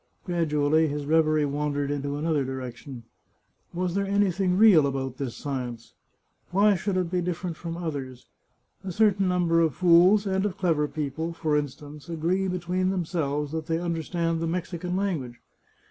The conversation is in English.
Gradually his reverie wandered into another direction. Was there anything real about this science ? Why should it be different from others? A certain number of fools and of clever people, for instance, agree between themselves that they understand the Mexican language.